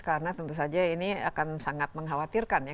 karena tentu saja ini akan sangat mengkhawatirkan ya